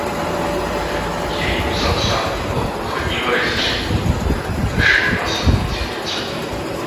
K jejímu zapsání do obchodního rejstříku došlo v následujícím roce.